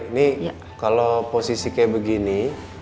ini kalau posisi kayak begini